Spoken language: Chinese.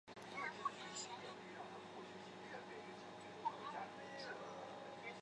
中央目的事业主管机关查核